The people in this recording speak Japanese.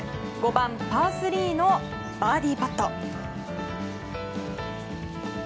５番パー３のバーディーパット。